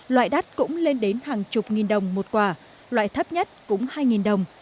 loại đắt cũng lên đến hàng chục nghìn đồng một quả loại thấp nhất cũng hai đồng